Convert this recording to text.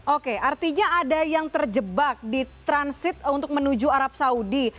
oke artinya ada yang terjebak di transit untuk menuju arab saudi